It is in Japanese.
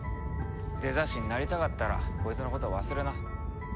デザ神になりたかったらこいつのことは忘れな。